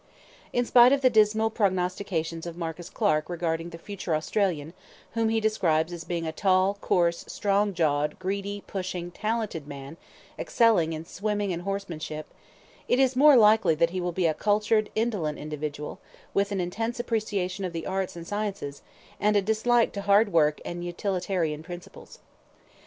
In spite of the dismal prognostications of Marcus Clarke regarding the future Australian, whom he describes as being "a tall, coarse, strong jawed, greedy, pushing, talented man, excelling in swimming and horsemanship," it is more likely that he will be a cultured, indolent individual, with an intense appreciation of the arts and sciences, and a dislike to hard work and utilitarian principles.